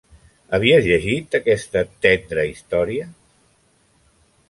Havies llegit aquesta tendra història?